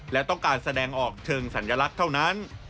และต้องการแสดงออกเชิงสัญลักษณ์เท่านั้น